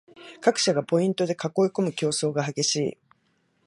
各社がポイントで囲いこむ競争が激しい